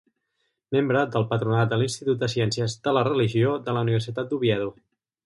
Membre del Patronat de l'Institut de Ciències de la Religió de la Universitat d'Oviedo.